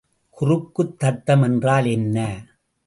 குறுக்குத் தட்டம் என்றால் என்ன?